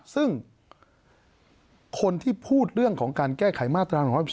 ซึ่งคนที่พูดเรื่องของการแก้ไขมาตรา๑๑๒